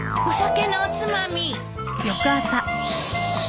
お酒のおつまみ。